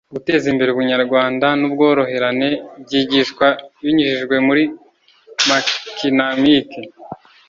guteza imbere ubunyarwanda n’ubworoherane byigishwa binyujijwe mu makinamic